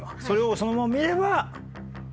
それをそのまま見れば。